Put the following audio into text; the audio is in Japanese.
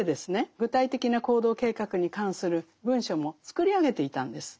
具体的な行動計画に関する文書も作り上げていたんです。